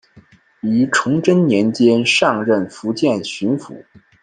于崇祯年间上任福建巡抚。